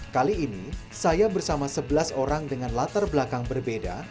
kali ini saya bersama sebelas orang dengan latar belakang berbeda